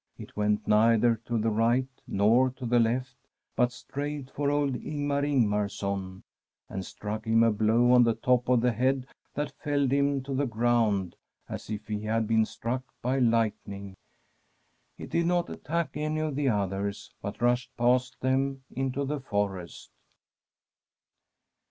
It went neither to the right nor to the left, but straight for old Ingmar Ingmarson, and struck him a blow on the top of the head that felled him to the eround as if he had been struck by light ning. It did not attack any of the others, but rushed past them into the forest.